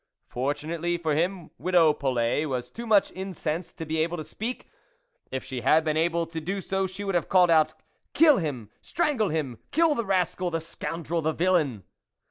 Fortunately for him 'THE WOLF LEADER 47 widow Polet was too much incensed to be able to speak ; if she had been able to do so, she would have called out ;" Kill him ! Strangle him ! Kill the rascal 1 the scoundrel ! the villain